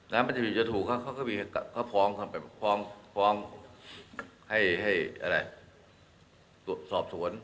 แล้วมันจะถูกจะถูกมันก็พ้อมให้สอบสวน